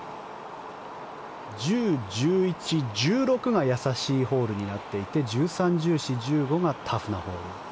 １０、１１、１６が易しいホールになっていて１３、１４、１５がタフなホール。